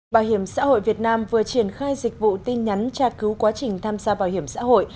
bảo hiểm xã hội việt nam vừa triển khai dịch vụ tin nhắn tra cứu quá trình tham gia bảo hiểm xã hội